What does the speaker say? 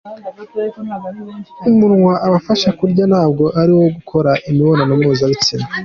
Umunwa ubafasha kurya ntabwo ari uwo gukora imibonano mpuzabitsina.